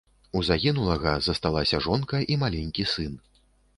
У загінулага засталася жонка і маленькі сын.